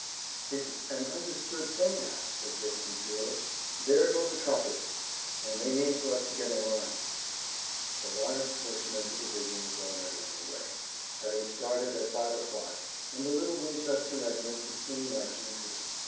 "It's an understood thing now," said Dick sincerely. "There go the trumpets, and they mean for us to get in line." A large portion of the division was already on the way, having started at five o'clock, and the little Winchester regiment was soon marching, too.